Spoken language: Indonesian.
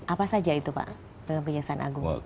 apa saja itu pak dalam kejaksaan agung